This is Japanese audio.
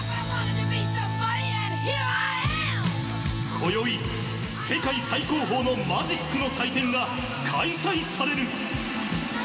今宵世界最高峰のマジックの祭典が開催される。